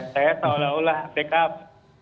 saya seolah olah backup